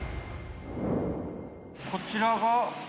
こちらが？